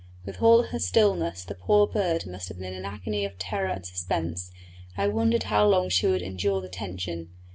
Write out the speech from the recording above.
With all her stillness the poor bird must have been in an agony of terror and suspense, and I wondered how long she would endure the tension.